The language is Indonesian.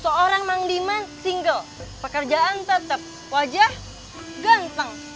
seorang mang diman single pekerjaan tetap wajah ganteng